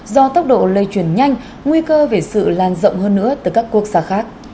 do tốc độ lây truyền nhanh nguy cơ về sự lan rộng hơn nữa từ các quốc gia khác